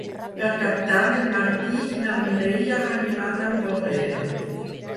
Per Cap d'Any en Martí i na Mireia aniran a Porrera.